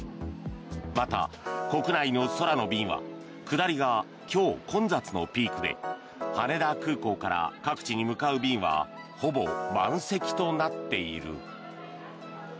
また、国内の空の便は下りが今日、混雑のピークで羽田空港から各地に向かう便はほぼ満席となっている。